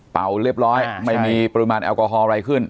เรียบร้อยไม่มีปริมาณแอลกอฮอล์อะไรขึ้น